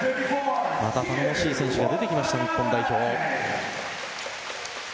また頼もしい選手が出てきました、日本代表。